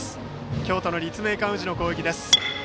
京都の立命館宇治の攻撃です。